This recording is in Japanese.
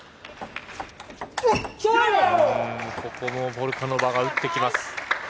ここも、ポルカノバが打ってきます。